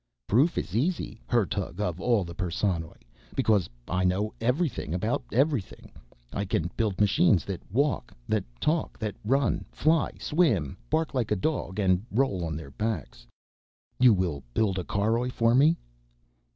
"Proof is easy, Hertug of all the Perssonoj, because I know everything about everything. I can build machines that walk, that talk, that run, fly, swim, bark like a dog and roll on their backs." "You will build a caroj for me?"